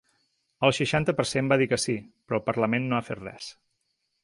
El seixanta per cent va dir que sí, però el parlament no ha fet res.